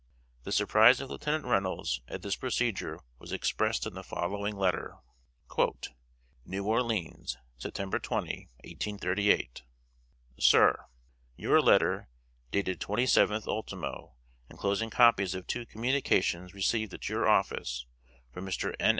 The surprise of Lieutenant Reynolds at this procedure was expressed in the following letter: /* "NEW ORLEANS, Sept. 20, 1838. */ "SIR: Your letter, dated twenty seventh ultimo, enclosing copies of two communications received at your office from Mr. N.